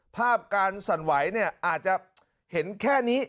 ภาพการสั่นไหวเนี่ยอาจจะเห็นแค่นี้